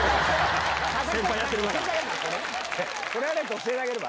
教えてあげれば？